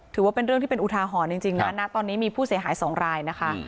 ถือว่าเป็นเรื่องที่เป็นอุทาหรณ์จริงนะณตอนนี้มีผู้เสียหายสองรายนะคะ